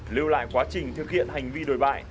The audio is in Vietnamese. lưu lại quá trình thực hiện hành vi đồi bại